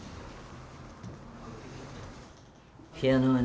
ピアノはね